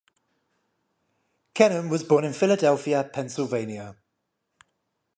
Kennan was born in Philadelphia, Pennsylvania.